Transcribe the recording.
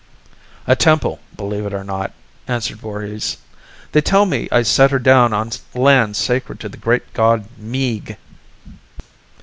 "A temple, believe it or not," answered Voorhis. "They tell me I set her down on land sacred to the great god Meeg!"